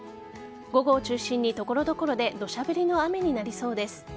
午後を中心に所々で土砂降りの雨になりそうです。